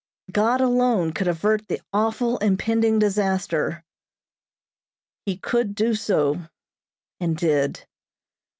God alone could avert the awful, impending disaster. He could do so, and did.